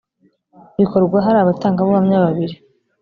bikorwa hari abatangabuhamya babiri